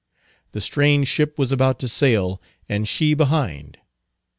The strange ship was about to sail, and she behind.